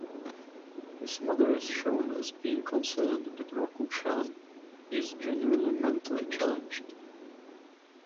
His mother is shown as being concerned that Roku-chan is genuinely mentally-challenged.